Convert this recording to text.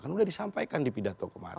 kan sudah disampaikan di pidato kemarin